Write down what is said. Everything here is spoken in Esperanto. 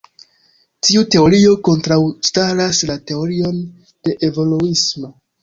Tiu teorio kontraŭstaras la teorion de evoluismo.